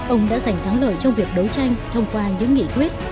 ông đã giành thắng lợi trong việc đấu tranh thông qua những nghị quyết